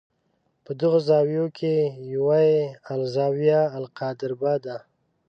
په دغو زاویو کې یوه یې الزاویة القادربه ده.